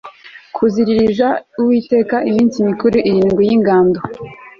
kuziririza uwiteka iminsi mikuru irindwi y ingando